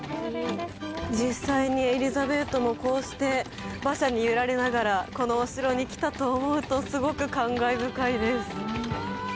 実際にエリザベートもこうして馬車に揺られながらこのお城に来たと思うとすごく感慨深いです